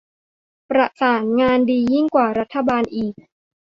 ประสานงานดียิ่งกว่ารัฐบาลอีก